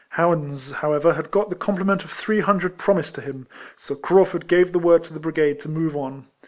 Howans, however, had got the complement of three hundred promised to him; so Crau furd gave tlie word to the brigade to move on.